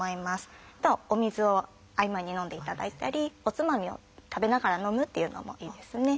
あとお水を合間に飲んでいただいたりおつまみを食べながら飲むというのもいいですね。